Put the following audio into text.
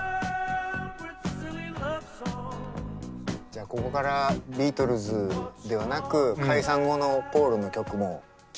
じゃあここからビートルズではなく解散後のポールの曲も聴くようになる。